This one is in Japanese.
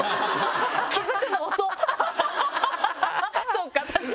そうか確かに。